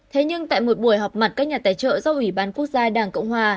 thế nhưng tại một buổi họp mặt các nhà tài trợ do ủy ban quốc gia đảng cộng hòa